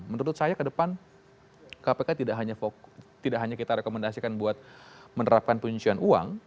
menurut saya ke depan kpk tidak hanya kita rekomendasikan buat menerapkan pencucian uang